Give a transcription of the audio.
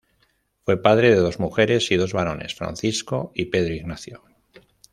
Fue padre de dos mujeres y dos varones, Francisco y Pedro Ignacio.